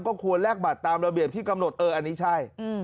ก็ควรแลกบัตรตามระเบียบที่กำหนดเอออันนี้ใช่